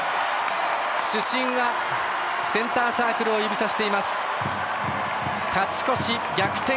主審はセンターサークルを指さしています勝ち越し、逆転